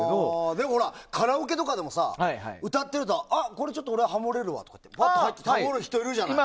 でもカラオケとかでも歌ってるとこれ俺、ハモれるわってハモる人いるじゃない？